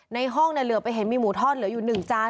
ในห้องเนี่ยเหลือไปเห็นมีหมูทอดเหลืออยู่๑จาน